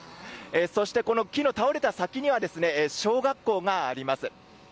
そして、木の倒れた先には小学校があります。